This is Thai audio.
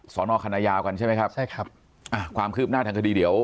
สอนอคณะยาวกันใช่ไหมครับใช่ครับอ่ะความคืบหน้าทางคดีเดี๋ยว